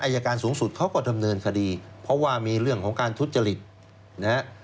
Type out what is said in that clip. อายการสูงสุดเขาก็ดำเนินคดีเพราะว่ามีเรื่องของการทุจริตนะฮะ